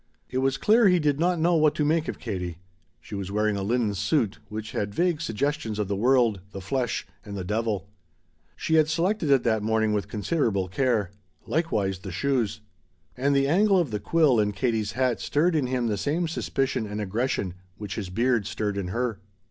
It was clear he did not know what to make of Katie. She was wearing a linen suit which had vague suggestions of the world, the flesh, and the devil. She had selected it that morning with considerable care. Likewise the shoes! And the angle of the quill in Katie's hat stirred in him the same suspicion and aggression which his beard stirred in her.